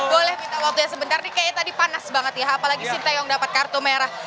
boleh minta waktunya sebentar nih kayaknya tadi panas banget ya apalagi sintayong dapat kartu merah